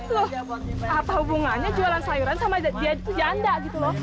loh apa hubungannya jualan sayuran sama janda gitu loh